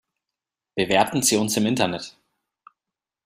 Bewerten Sie uns im Internet!